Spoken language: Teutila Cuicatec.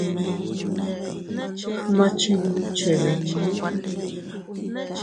Gma chinnu chebinnu.